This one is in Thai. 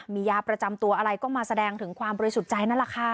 มียาประจำตัวอะไรก็มาแสดงถึงความบริสุทธิ์ใจนั่นแหละค่ะ